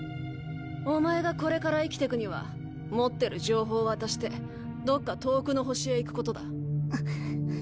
お前がこれから生きてくには持ってる情報を渡してどっか遠くの星へ行くことだ。